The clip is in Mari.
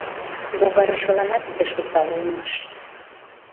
Логаржыланат пеш осал улмаш.